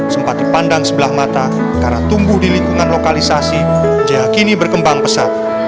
sempat dipandang sebelah mata karena tumbuh di lingkungan lokalisasi jaya kini berkembang pesat